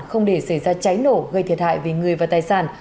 không để xảy ra cháy nổ gây thiệt hại về người và tài sản